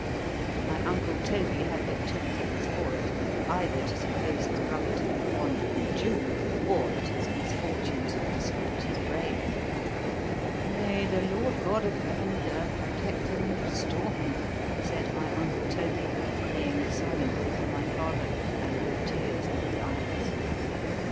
My uncle Toby had but two things for it; either to suppose his brother to be the wandering Jew, or that his misfortunes had disordered his brain.—"May the Lord God of heaven and earth protect him and restore him!" said my uncle Toby, praying silently for my father, and with tears in his eyes.